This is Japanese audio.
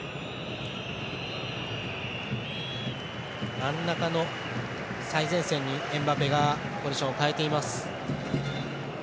真ん中の最前線にエムバペがポジションを変えています。